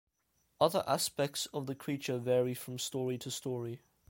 Other aspects of the creature vary from story to story.